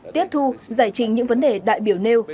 tiếp thu giải trình những vấn đề đại biểu nêu